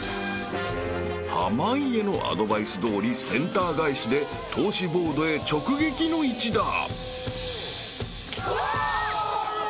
［濱家のアドバイスどおりセンター返しで透視ボードへ直撃の一打］うわ！